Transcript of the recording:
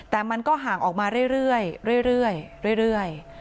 แต่มันก็ห่างออกมาเรื่อย